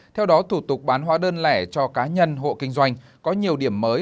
theo đó thủ tục bán hóa đơn lẻ cho cá nhân hộ kinh doanh có nhiều điểm mới